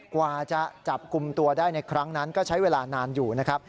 กว่าจะจับกลุ่มตัวได้ในครั้งนั้นก็ใช้เวลานานอยู่นะครับ